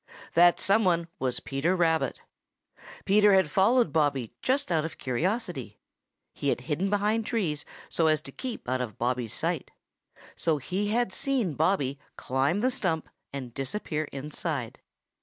That some one was Peter Rabbit. Peter had followed Bobby just out of curiosity. He had hidden behind trees so as to keep out of Bobby's sight. So he had seen Bobby climb the stump and disappear inside.